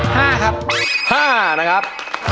ห้าครับห้านะครับ